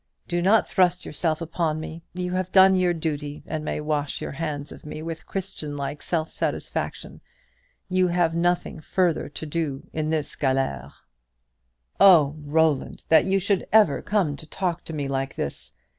Do not thrust yourself upon me; you have done your duty, and may wash your hands of me with Christian like self satisfaction; you have nothing further to do in this galère." "Oh, Roland, that you should ever come to talk to me like this!